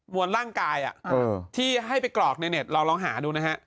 วนร่างกายที่ให้ไปกรอกในเน็ตเราลองหาดูนะฮะ